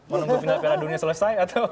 menunggu piala dunia selesai atau